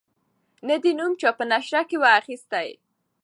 نه دي نوم چا په نشره کی وو اخیستی